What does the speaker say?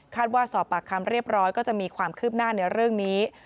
ว่าสอบปากคำเรียบร้อยก็จะมีความคืบหน้าในเรื่องนี้